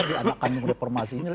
di anak kandung reformasi ini